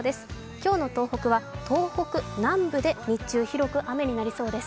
今日の東北は東北南部で日中広く雨になりそうです。